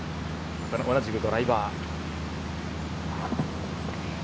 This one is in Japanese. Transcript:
同じくドライバー。